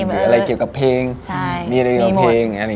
หรืออะไรเกี่ยวกับเพลง